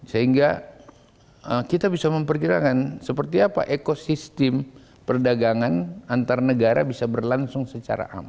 sehingga kita bisa memperkirakan seperti apa ekosistem perdagangan antar negara bisa berlangsung secara aman